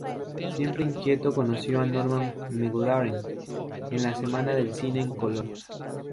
Siempre inquieto, conoció a Norman McLaren en la Semana del Cine en Color.